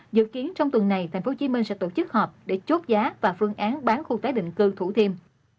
dự kiến trong tuần này tp hcm sẽ tổ chức họp để chốt giá và phương án bán khu tái định cư thủ thiêm